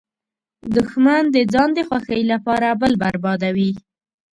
دښمن د ځان د خوښۍ لپاره بل بربادوي